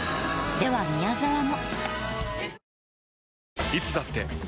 では宮沢も。